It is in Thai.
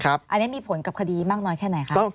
อันนี้มีผลกับคดีมากน้อยแค่ไหนคะ